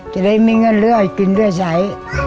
จะได้มีเงินเลือดกินเลือดใช้